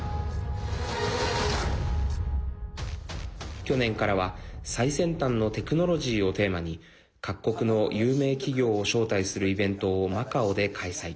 去年からは最先端のテクノロジーをテーマに各国の有名企業を招待するイベントをマカオで開催。